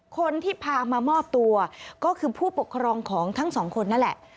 คนที่พามามอบตัวก็คือผู้ปกครองของทั้งสองคนนั่นแหละ